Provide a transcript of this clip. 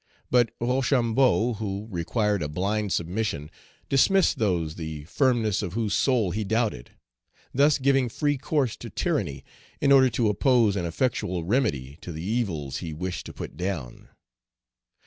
But Rochambeau, who required a blind submission, dismissed those the firmness of whose soul he doubted; thus giving free course to tyranny in order to oppose an effectual remedy to the evils he wished to put down.